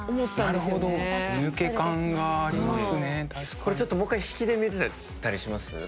これちょっともう１回引きで見れたりします？